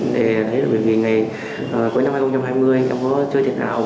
để thấy là bởi vì ngày cuối năm hai nghìn hai mươi em có chơi thiệt nào